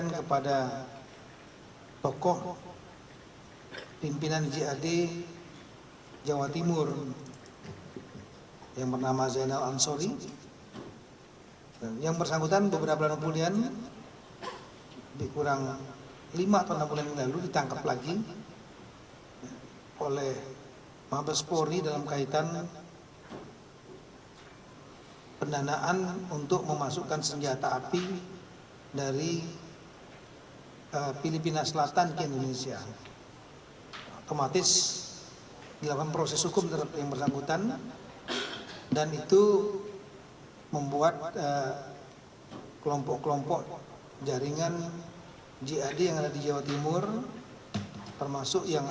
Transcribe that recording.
karena bersangkutan diduga keras terkait dengan